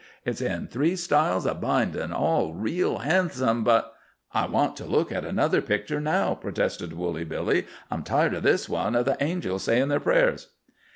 It's in three styles o' bindin', all reel handsome, but——" "I want to look at another picture now," protested Woolly Billy. "I'm tired of this one of the angels sayin' their prayers."